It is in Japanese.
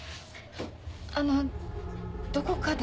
あのどこかで？